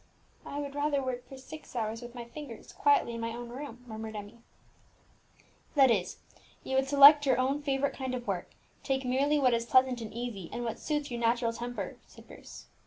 "I would rather work for six hours with my fingers quietly in my own room," murmured Emmie. "That is, you would select your own favourite kind of work, take merely what is pleasant and easy, and what suits your natural temper," said Bruce.